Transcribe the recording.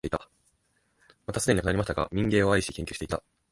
またすでに亡くなりましたが、民藝を愛し、研究していた、